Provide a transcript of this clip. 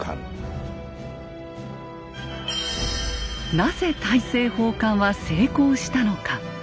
なぜ大政奉還は成功したのか。